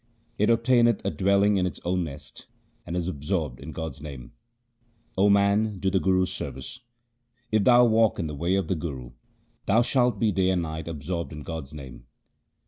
It obtaineth a dwelling in its own nest, and is absorbed in God's name. O man, do the Guru's service. If thou walk in the way of the Guru, thou shalt be day and night absorbed in God's name.